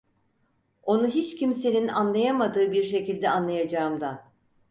Onu hiç kimsenin anlayamadığı bir şekilde anlayacağımdan.